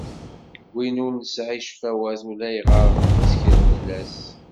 Win ur nesɛi ccfawat ulayɣer nettkel fell-as.